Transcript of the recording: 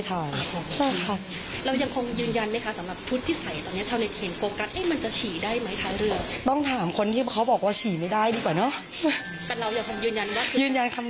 มันมองไอ้เพื่อนบางคน